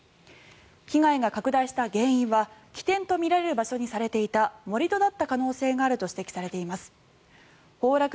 被害が拡大した原因は起点とみられる場所にされていた盛り土だった可能性があると指摘されています。